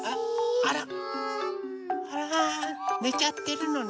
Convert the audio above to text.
あらねちゃってるのね。